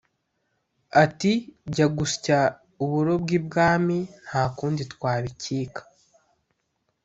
ati: “ jya gusya uburo bw’ibwami nta kundi twabikika!”